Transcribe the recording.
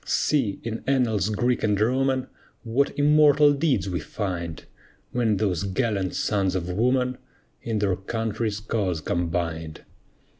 See, in annals Greek and Roman, What immortal deeds we find; When those gallant sons of woman In their country's cause combined.